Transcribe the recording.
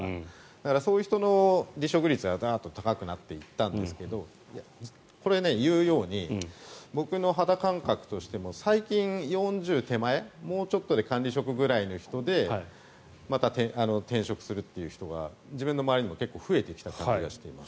だからそういう人の離職率がダーッと高くなっていったんですが僕の肌感覚としても最近、４０手前もうちょっとで管理職ぐらいの人でまた転職するっていう人が自分の周りでも増えてきた気がします。